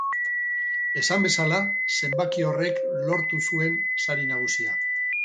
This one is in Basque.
Esan bezala, zenbaki horrek lortu zuen sari nagusia.